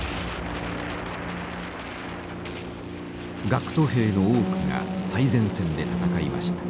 学徒兵の多くが最前線で戦いました。